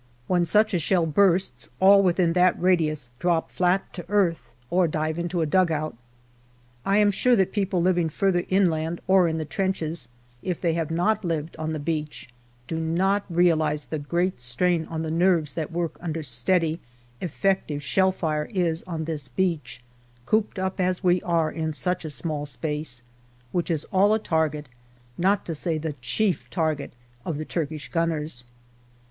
When such a shell bursts, all within that radius drop flat to earth 310 JANUARY 1916 311 or dive into a dugout. I am sure that people living further inland or in the trenches, if they have not lived on the beach, do not realize the great strain on the nerves that work under steady, effective shell fire is on this beach, cooped up as we are in such a small space, which is all a target, not to say the chief target, of the Turkish gunners.